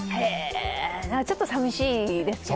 ちょっとさみしいですよね。